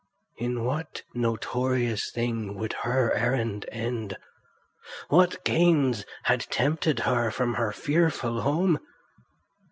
In what notorious thing would her errand end? What gains had tempted her out from her fearful home?